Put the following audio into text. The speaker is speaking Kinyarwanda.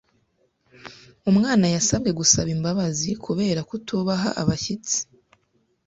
Umwana yasabwe gusaba imbabazi kubera kutubaha abashyitsi.